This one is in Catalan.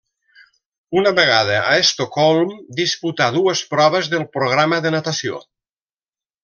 Una vegada a Estocolm disputà dues proves del programa de natació.